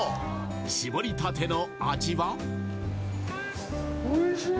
搾りたての味は？